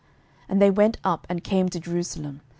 And they went up and came to Jerusalem.